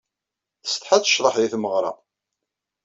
Tsetḥa ad tecḍeḥ di tmeɣra.